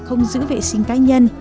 không giữ vệ sinh cá nhân